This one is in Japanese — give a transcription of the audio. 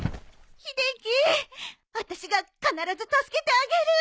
秀樹私が必ず助けてあげる！